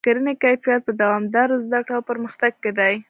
د کرنې کیفیت په دوامداره زده کړه او پرمختګ کې دی.